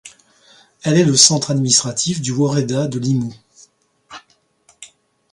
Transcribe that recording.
Elle est le centre administratif du woreda de Limmu.